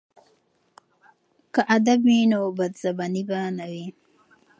که ادب وي نو بدزباني نه وي.